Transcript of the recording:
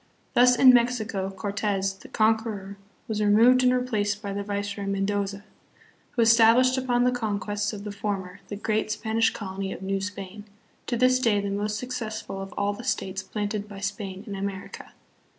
Thus in Mexico, Corte"s the conqueror was removed and replaced by the viceroy Mendoza, who established upon the conquests of the former the great Spanish colony of New Spain, to this day the most suc cessful of all the states planted by Spain in America.